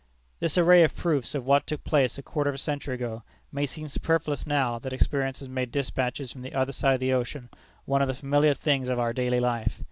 This array of proofs of what took place a quarter of a century ago, may seem superfluous now that experience has made despatches from the other side of the ocean one of the familiar things of our daily life.